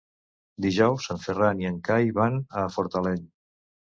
Dijous en Ferran i en Cai van a Fortaleny.